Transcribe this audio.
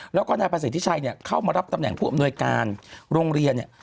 แล้วก็นายประสิทธิชัยเนี่ยเข้ามารับตำแหน่งผู้อำนวยการโรงเรียนเนี่ย